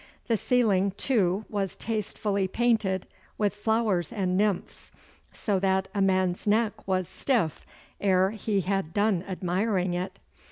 The ceiling, too, was tastefully painted with flowers and nymphs, so that a man's neck was stiff ere he had done admiring it.